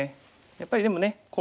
やっぱりでもねこう。